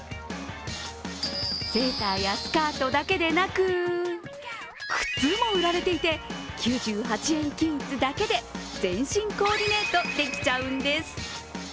セーターやスカートだけでなく靴も売られていて９８円均一だけで全身コーディネートできちゃうんです。